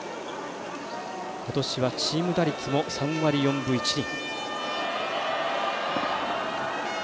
今年はチーム打率も３割４分１厘。